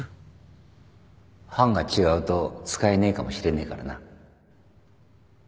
版が違うと使えねえかもしれねえからな